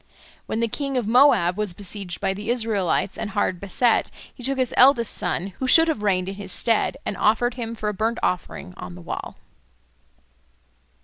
When the king of Moab was besieged by the Israelites and hard beset, he took his eldest son, who should have reigned in his stead, and offered him for a burnt offering on the wall.